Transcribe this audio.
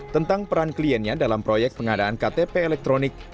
tentang peran kliennya dalam proyek pengadaan ktp elektronik